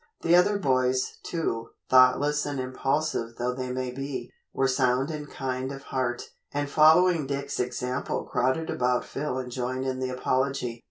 The other boys, too, thoughtless and impulsive though they might be, were sound and kind at heart, and following Dick's example crowded about Phil and joined in the apology.